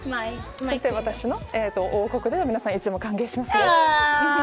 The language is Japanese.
そして、私の王国では皆さん歓迎します。